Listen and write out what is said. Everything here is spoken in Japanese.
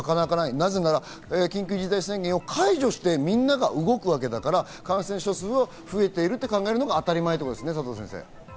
なぜなら緊急事態宣言を解除して、みんなが動くわけだから、感染者数は増えてると考えるのが当たり前ってことですね、佐藤先生。